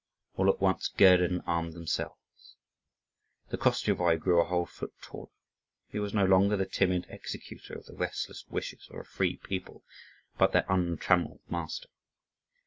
All at once girded and armed themselves. The Koschevoi grew a whole foot taller. He was no longer the timid executor of the restless wishes of a free people, but their untrammelled master.